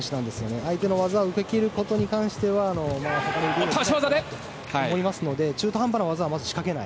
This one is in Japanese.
相手の技をよけきることに関してはうまいと思いますので中途半端な技は仕掛けない。